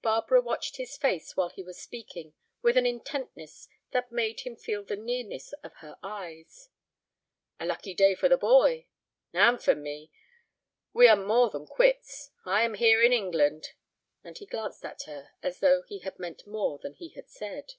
Barbara watched his face while he was speaking with an intentness that made him feel the nearness of her eyes. "A lucky day for the boy." "And for me. We are more than quits. I am here in England." And he glanced at her as though he had meant more than he had said.